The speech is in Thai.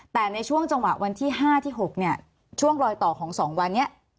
แต่ในช่วงจังหวะวันที่๕ที่๖เนี่ยช่วงรอยต่อของ๒วันนี้